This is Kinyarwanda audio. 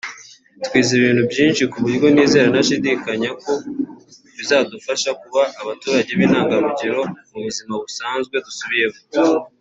twize ibintu byinshi ku buryo nizera ntashidikanya ko bizadufasha kuba abaturage b’intangarugero mu buzima busanzwe dusubiyemo”